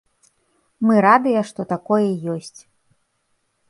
Мы радыя, што такое ёсць.